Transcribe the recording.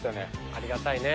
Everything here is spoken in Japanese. ありがたいね。